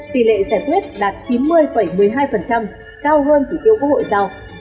tỷ lệ giải quyết đạt chín mươi một mươi hai cao hơn chỉ tiêu quốc hội giao